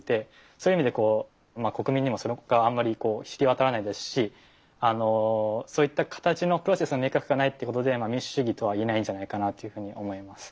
そういう意味で国民にもそれがあまり知り渡らないですしそういった形のプロセスの明確化がないっていうことで民主主義とは言えないんじゃないかなっていうふうに思います。